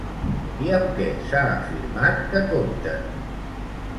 I amb què s'ha afirmat que compten?